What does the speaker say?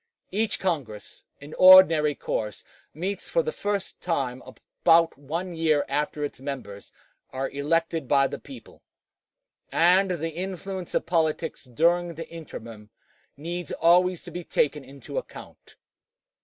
Each Congress, in ordinary course, meets for the first time about one year after its members are elected by the people, and the influence of politics during the interim needs always to be taken into account.